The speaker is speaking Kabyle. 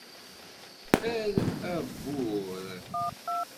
Err abbur!